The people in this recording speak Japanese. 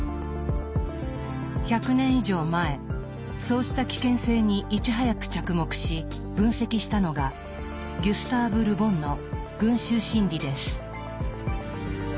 １００年以上前そうした危険性にいち早く着目し分析したのがギュスターヴ・ル・ボンの「群衆心理」です。